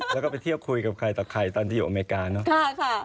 แล้วก็ไปเที่ยวคุยกับใครต่อใครตอนที่อยู่อเมริกาเนอะ